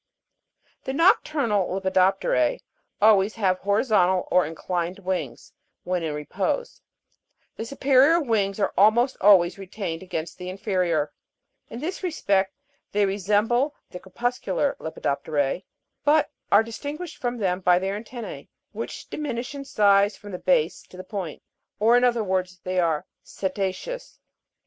24. The NOCTURNAL LEPIDOP'TER^E always have horizontal or inclined wings when in repose ; the superior wings are almost always retained against the inferior (fig 47) ; in this respect they resemble the crepuscular lepidop'terae, but are distinguished from them by their antennae, which diminish in size from the base to the point, or in other words, they are seta'ceous.